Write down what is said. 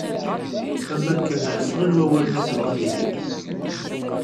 Am wakken ḥeslen wawalen i tebɣa ad d-tini.